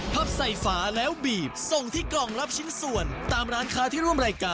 ปลอดภัย